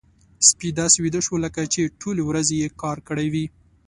سپی داسې ویده شو لکه چې ټولې ورځې يې کار کړی وي.